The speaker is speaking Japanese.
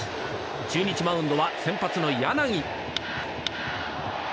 中日マウンドは先発の柳。